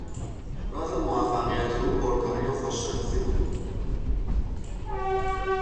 راز موفقیت او پرکاری و خوش شانسی بود.